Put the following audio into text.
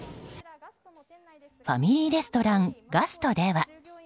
ファミリーレストランガストでは。